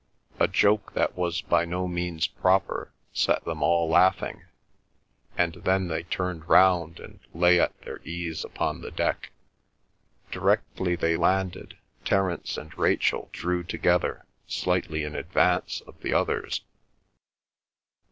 A joke that was by no means proper set them all laughing, and then they turned round and lay at their ease upon the deck. Directly they landed, Terence and Rachel drew together slightly in advance of the others.